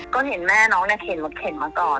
ก็เห็นแม่น้องเนี่ยเข็นรถเข็นมาก่อน